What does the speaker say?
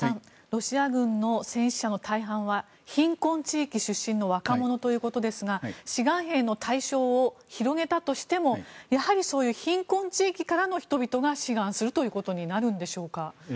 ロシア軍の戦死者の大半は貧困地域出身の若者ということですが志願兵の対象を広げたとしてもやはり、そういう貧困地域からの人々が志願するということになるんでしょうか。